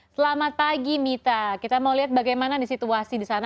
selamat pagi mita kita mau lihat bagaimana situasi di sana